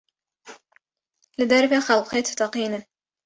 Li derve xelkê diteqînin.